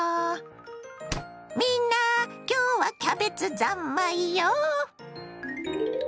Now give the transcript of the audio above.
みんな今日はキャベツ三昧よ！